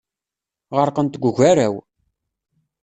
Ɣerqent deg ugaraw.